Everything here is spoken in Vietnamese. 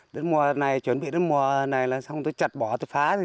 đến mùa này chuẩn bị đến mùa này là xong tôi chặt bỏ tôi phá